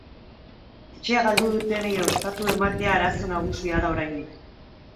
Etxea galdu dutenei ostatu ematea arazo nagusia da oraindik.